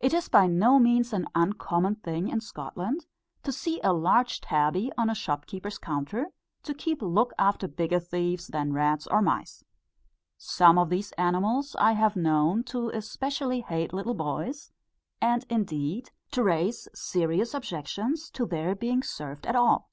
It is by no means an uncommon thing in Scotland, to see a large tabby on a shopkeeper's counter, kept to look after bigger thieves than rats or mice. Some of these animals I have known to especially hate little boys, and indeed to raise serious objections to their being served at all.